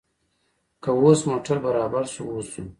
که اوس موټر برابر شو، اوس ځو.